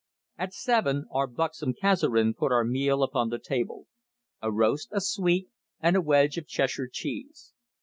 At seven our buxom "Kaiserin" put our meal upon the table a roast, a sweet, and a wedge of Cheshire cheese.